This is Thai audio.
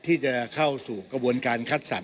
ที่จะเข้าสู่กระบวนการคัดสรร